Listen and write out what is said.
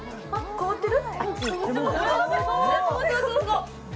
変わってる？